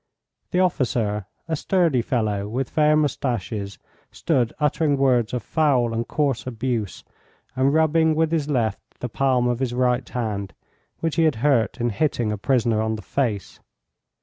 The officer, a sturdy fellow, with fair moustaches, stood uttering words of foul and coarse abuse, and rubbing with his left the palm of his right hand, which he had hurt in hitting a prisoner on the face.